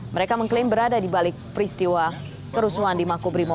mereka mengklaim berada di balik peristiwa kerusuhan di makobrimob